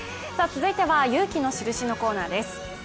続いては「勇気のシルシ」のコーナーです。